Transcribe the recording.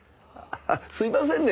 すいませんね